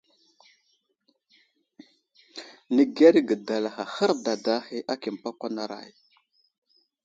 Nəkerge gala hərdada ahe aki məpakwanaray.